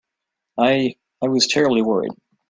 I—I was terribly worried.